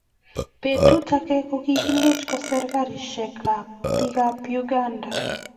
Betut age kokilech koser garisiekab bikab Uganda